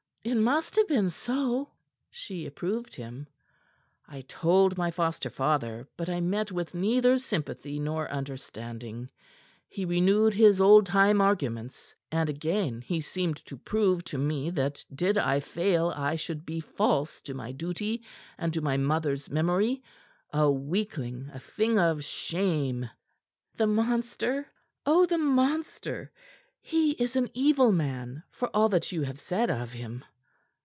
"It must have been so," she approved him. "I told my foster father; but I met with neither sympathy nor understanding. He renewed his old time arguments, and again he seemed to prove to me that did I fail I should be false to my duty and to my mother's memory a weakling, a thing of shame." "The monster! Oh, the monster! He is an evil man for all that you have said of him."